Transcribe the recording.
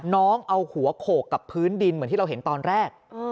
น้องเอาหัวโขกกับพื้นดินเหมือนที่เราเห็นตอนแรก